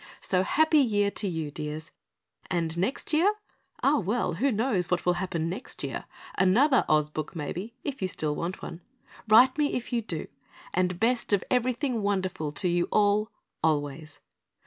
_So, happy year to you, dears. And next year? Ah well, who knows what will happen next year? Another Oz book maybe, if you still want one. Write me if you do, and best of everything wonderful to you all, always!